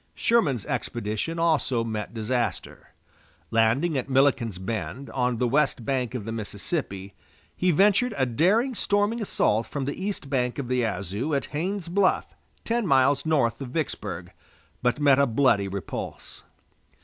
Sherman's expedition also met disaster. Landing at Milliken's Bend, on the west bank of the Mississippi, he ventured a daring storming assault from the east bank of the Yazoo at Haines's Bluff, ten miles north of Vicksburg, but met a bloody repulse.